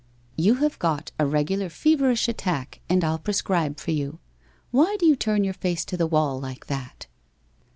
* You have got a reg ular feverish attack, and I'll prescribe for you. Why do you turn your face to the wall like that?'